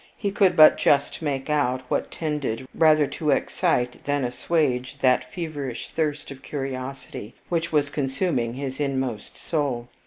He could but just make out what tended rather to excite than assuage that feverish thirst of curiosity which was consuming his inmost soul.